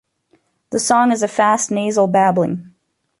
The song is a fast nasal babbling.